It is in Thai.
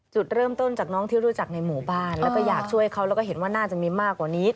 จุดเริ่มต้นจากน้องที่รู้จักในหมู่บ้านแล้วก็อยากช่วยเขาแล้วก็เห็นว่าน่าจะมีมากกว่านี้